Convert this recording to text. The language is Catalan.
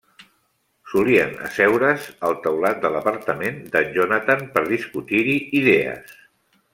Solien asseure's al teulat de l'apartament d'en Jonathan per discutir-hi idees.